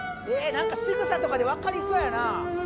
何かしぐさとかでわかりそうやな